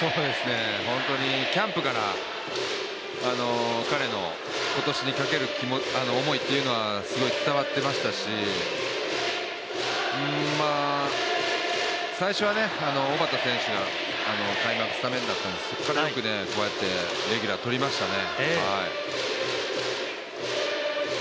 本当にキャンプから彼の今年にかける思いっていうのはすごい伝わっていましたし最初は、小幡選手が、開幕スタメンだったんですけど、そこからよくこうやってレギュラーとりましたね。